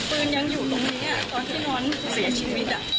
ปืนยังอยู่ตรงนี้ตอนที่ม้อนเสียชีวิต